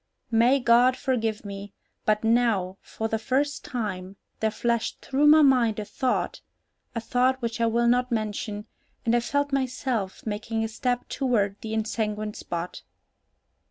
May God forgive me, but now, for the first time, there flashed through my mind a thought, a thought which I will not mention, and I felt myself making a step toward the ensanguined spot.